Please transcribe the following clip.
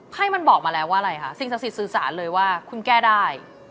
ไพ่มันบอกมาแล้วว่าอะไรคะสิ่งศักดิ์สื่อสารเลยว่าคุณแก้ได้